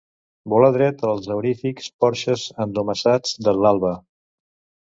Volà dret als aurífics porxes endomassats de l'alba.